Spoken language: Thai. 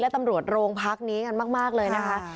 และตำรวจโรงพักนี้กันมากเลยนะคะ